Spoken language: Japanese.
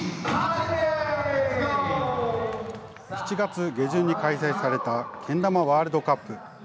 ７月下旬に開催されたけん玉ワールドカップ。